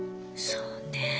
そうね。